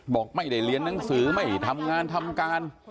บอกไม่ได้เรียนหนังสือไม่ทำงานทำการ